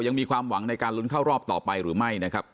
ยังมีความหวังในการลุ้นเข้ารอบต่อไปหรือไม่นะครับ